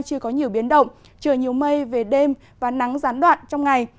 chưa có nhiều biến động trời nhiều mây về đêm và nắng gián đoạn trong ngày